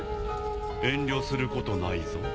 遠慮することないぞ。